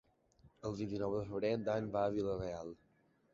El vint-i-nou de febrer en Dan va a Vila-real.